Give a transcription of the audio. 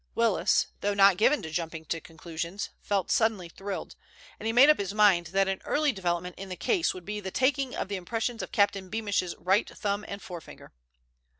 Willis, though not given to jumping to conclusions, felt suddenly thrilled, and he made up his mind that an early development in the case would be the taking of the impressions of Captain Beamish's right thumb and forefinger.